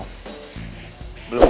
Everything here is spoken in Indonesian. sampai jumpa lagi